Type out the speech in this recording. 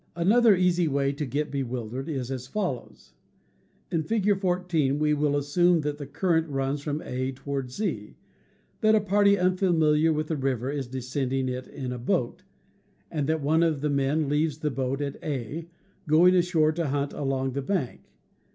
Another easy way to get bewildered is as follows : In Fig. 14 we will assume that the current runs from A toward Z, that a party un familiar with the river is de scending it in a boat, and that one of the men leaves the boat at A, going ashore to hunt along the bank.